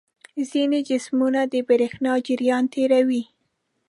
ځینې جسمونه د برېښنا جریان تیروي.